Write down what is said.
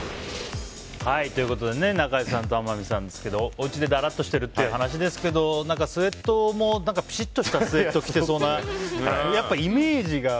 中井さんと天海さんですけどおうちでだらっとしてるっていう話ですけどスウェットも、ピシッとしたスウェットを着てそうなやっぱイメージが。